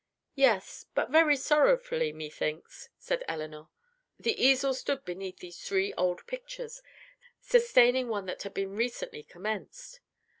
"Yes; but very sorrowfully, methinks," said Elinor. The easel stood beneath these three old pictures, sustaining one that had been recently commenced.